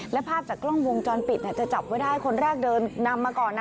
และภาพจากกล้องวงจรปิดจะจับไว้ได้คนแรกเดินนำมาก่อนนะ